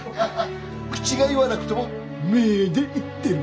口が言わなくても目で言ってる。